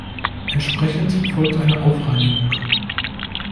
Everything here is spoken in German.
Entsprechend folgt eine Aufreinigung.